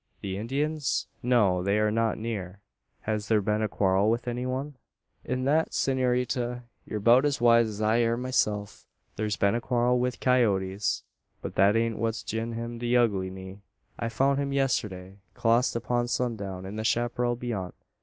The Indians? No, they are not near? Has there been a quarrel with any one?" "In thet, saynoritta; ye're beout as wise as I air meself. Thur's been a quarrel wi' coyeats; but that ain't what's gin him the ugly knee. I foun' him yesterday, clost upon sun down, in the chapparal beyont.